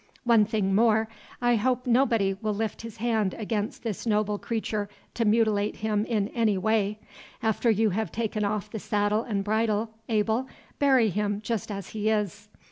One thing more. I hope nobody will lift his hand against this noble creature to mutilate him in any way. After you have taken off the saddle and bridle, Abel, bury him just as he is.